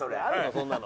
そんなの。